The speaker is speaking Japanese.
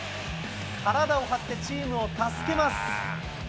体を張ってチームを助けます。